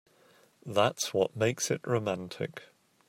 That's what makes it romantic.